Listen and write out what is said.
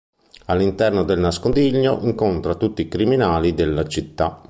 All'interno del nascondiglio incontra tutti i criminali della città.